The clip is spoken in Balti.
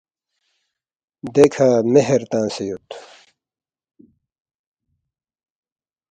دیکھہ مہر تنگسے یود